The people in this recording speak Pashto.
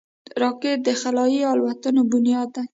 راکټ د خلایي الوتنو بنیاد ده